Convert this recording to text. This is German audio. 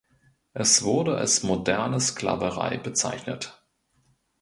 Es wurde als „moderne Sklaverei“ bezeichnet.